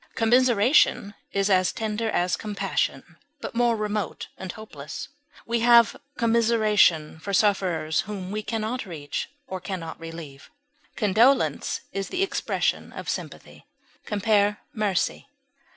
Commiseration is as tender as compassion, but more remote and hopeless; we have commiseration for sufferers whom we can not reach or can not relieve. Condolence is the expression of sympathy. Compare MERCY.